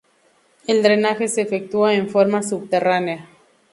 El drenaje se efectúa en forma subterránea.